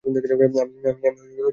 আমি পেট ভরে খেয়েছি।